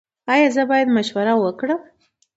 ایا زه باید مشوره ورکړم؟